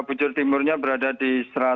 pujur timurnya berada di